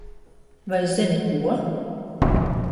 Vai zini ko?